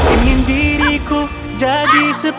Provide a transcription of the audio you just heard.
alhamdulillah haikal lagi di atas